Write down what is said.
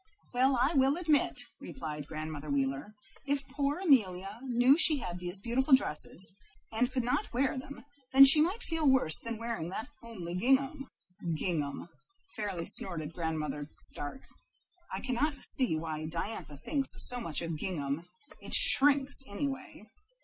"Well, I will admit," replied Grandmother Wheeler, "if poor Amelia knew she had these beautiful dresses and could not wear them she might feel worse about wearing that homely gingham." "Gingham!" fairly snorted Grandmother Stark. "I cannot see why Diantha thinks so much of gingham. It shrinks, anyway."